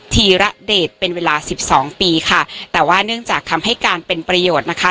ธีระเดชเป็นเวลาสิบสองปีค่ะแต่ว่าเนื่องจากคำให้การเป็นประโยชน์นะคะ